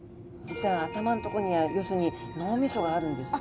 実は頭のとこにある要するに脳みそがあるんです。